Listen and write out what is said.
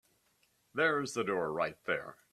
There's the door right there.